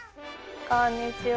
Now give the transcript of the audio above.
こんにちは。